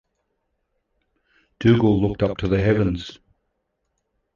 Dougal looked up to the heavens.